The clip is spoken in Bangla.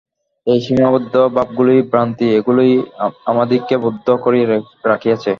এই সীমাবদ্ধ ভাবগুলিই ভ্রান্তি, এগুলিই আমাদিগকে বদ্ধ করিয়া রাখিয়াছে।